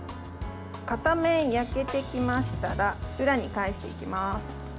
片面、焼けてきましたら裏に返していきます。